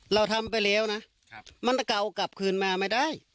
เราทำไปแล้วนะมันตะเก่ากลับคืนมาไม่ได้